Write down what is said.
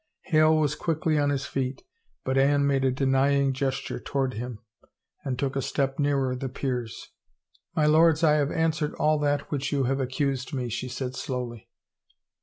Hale was quickly on his feet, but Anne made a denying gesture towards him, and took a step nearer the peers. " My lords, I have answered all that which you have accused me," she said slowly.